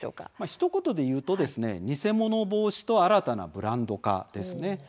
ひと言で言うとニセモノの防止と新たなブランド化です。